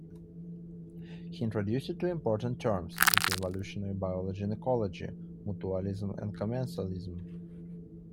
He introduced two important terms into evolutionary biology and ecology: mutualism and commensalism.